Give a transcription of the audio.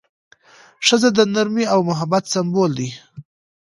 ښځه د نرمۍ او محبت سمبول ده.